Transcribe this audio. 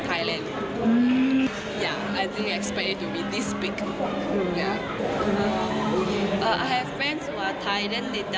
ครั้งแรกเมื่อวานนี้